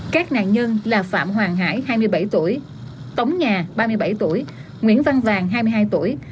các nạn nhân là phạm hoàng hải hai mươi bảy tuổi tống nhà ba mươi bảy tuổi nguyễn văn vàng hai mươi hai tuổi